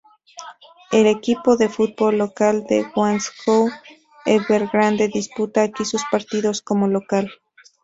El equipo de fútbol local del Guangzhou Evergrande disputa aquí sus partidos como local.